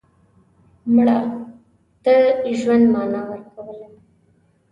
مړه ته د ژوند معنا ورکوله